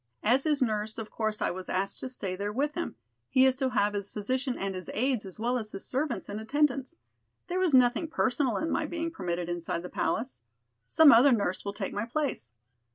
As his nurse, of course I was asked to stay there with him; he is to have his physician and his aides as well as his servants in attendance. There was nothing personal in my being permitted inside the Palace. Some other nurse will take my place."